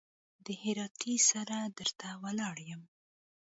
د هراتۍ سره در ته ولاړ يم.